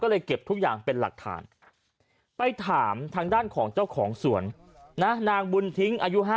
ก็เลยเก็บทุกอย่างเป็นหลักฐานไปถามทางด้านของเจ้าของสวนนะนางบุญทิ้งอายุ๕๐